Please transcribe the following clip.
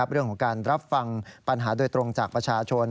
เรื่องของการรับฟังปัญหาโดยตรงจากประชาชน